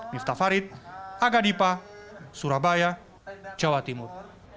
miftah farid aga dipa surabaya jawa timur